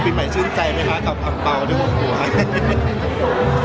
คุณปีใหม่ชื่นใจไหมคะกับอังเปล่าหรือห่วงหัว